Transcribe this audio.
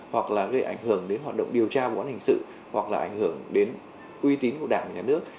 hoặc là gây ảnh hưởng đến hoạt động điều tra vụ án hình sự hoặc là ảnh hưởng đến uy tín của đảng và nhà nước